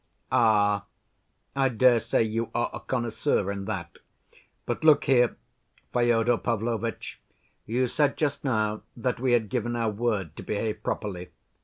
"Ah, I dare say you are a connoisseur in that. But, look here, Fyodor Pavlovitch, you said just now that we had given our word to behave properly.